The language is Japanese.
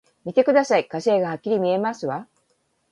見てください、火星がはっきり見えますわ！